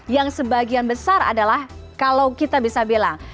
yang sebagian besar adalah kalau kita bisa bilang